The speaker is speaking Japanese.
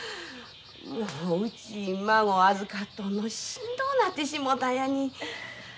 うち孫預かっとるのしんどなってしもたんやに。